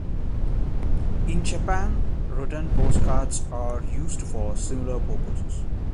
In Japan, return postcards are used for similar purposes.